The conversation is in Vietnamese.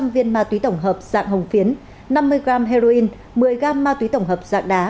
sáu trăm linh viên ma túy tổng hợp dạng hồng phiến năm mươi g heroin một mươi g ma túy tổng hợp dạng đá